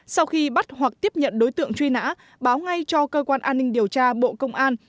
sau khi bắt hoặc tiếp nhận đối tượng truy nã báo ngay cho cơ quan an ninh điều tra bộ công an